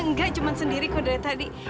enggak cuman sendiri kudanya tadi